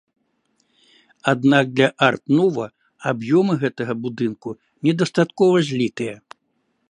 Аднак для арт-нуво аб'ёмы гэтага будынка недастаткова злітыя.